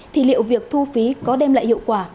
thì liệu việc thu phí có đem lại hiệu quả